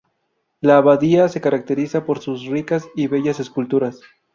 La abadía se caracteriza por sus ricas y bellas esculturas.